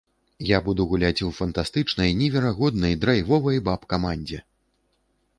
Я буду гуляць у фантастычнай, неверагоднай, драйвовай баб-камандзе.